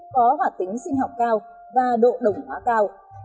có hỏa tính sinh học cao và độ đồng hóa cao